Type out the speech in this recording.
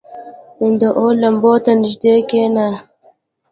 • د اور لمبو ته نږدې کښېنه.